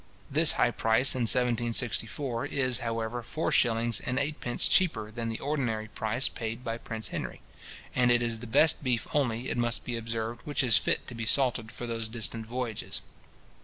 This high price in 1764 is, however, four shillings and eight pence cheaper than the ordinary price paid by Prince Henry; and it is the best beef only, it must be observed, which is fit to be salted for those distant voyages.